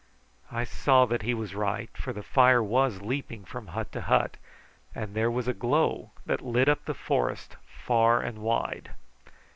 I saw that he was right, for the fire was leaping from hut to hut, and there was a glow that lit up the forest far and wide.